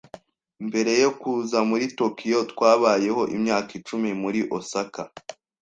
Mbere yo kuza muri Tokiyo, twabayeho imyaka icumi muri Osaka.